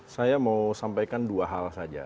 saya mau sampaikan dua hal saja